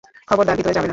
খবরদার, ভিতরে যাবে না।